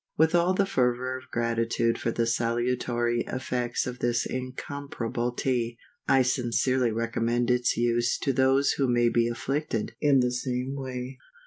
With all the fervor of gratitude for the salutary effects of this incomparable Tea, I sincerely recommend its use to those who may be afflicted in the same way.